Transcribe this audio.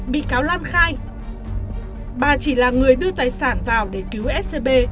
bị cáo lan khai bà chỉ là người đưa tài sản vào để cứu scb